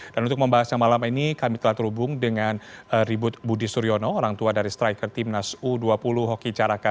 dan untuk membahasnya malam ini kami telah terhubung dengan ribut budi suryono orang tua dari striker tim nas u dua puluh hoki caraka